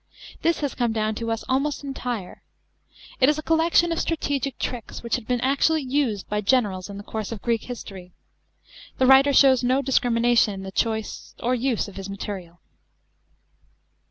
This has come down to us almost entire. It is a collection of strategic tricks which had been actually used by generals in the course of Greek history. The writer shows no discrimination in the choice or use of his material.